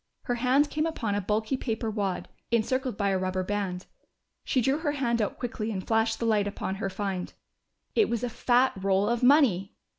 Her hand came upon a bulky paper wad, encircled by a rubber band. She drew her hand out quickly and flashed the light upon her find. It was a fat roll of money!